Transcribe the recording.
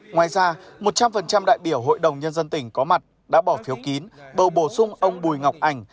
ngoài ra một trăm linh đại biểu hội đồng nhân dân tỉnh có mặt đã bỏ phiếu kín bầu bổ sung ông bùi ngọc ảnh